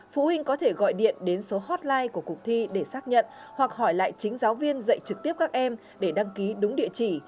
phụ huynh có thể gọi điện đến số hotline của cuộc thi để xác nhận hoặc hỏi lại chính giáo viên dạy trực tiếp các em để đăng ký đúng địa chỉ